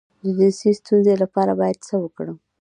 د جنسي ستونزې لپاره باید څه وکړم؟